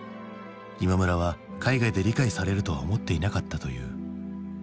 今村は海外で理解されるとは思っていなかったという。